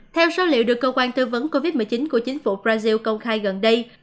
theo số liệu được cơ quan tư vấn covid một mươi chín của chính phủ brazil công khai gần đây